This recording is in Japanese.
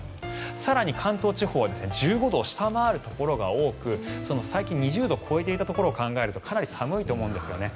更に関東地方は１５度を下回るところが多く最近２０度を超えていたところを考えるとかなり寒いと思うんですよね。